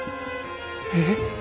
えっ？